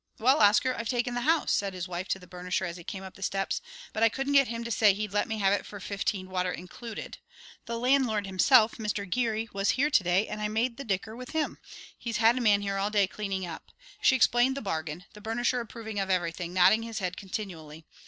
"Well, Oscar, I've taken the house!" said his wife to the burnisher as he came up the steps. "But I couldn't get him to say that he'd let me have it for fifteen, water included. The landlord himself, Mr. Geary, was here to day and I made the dicker with him. He's had a man here all day cleaning up." She explained the bargain, the burnisher approving of everything, nodding his head continually.